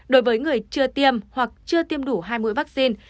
đối với người chưa tiêm hoặc chưa tiêm đủ hai mũi vaccine